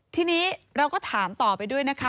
ทีนี้เราก็ถามต่อไปด้วยนะคะ